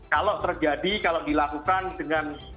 kalau terjadi kalau dilakukan dengan